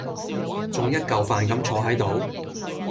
仲一嚿飯咁坐喺度？